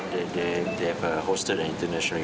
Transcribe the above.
mereka telah menjalankan acara internasional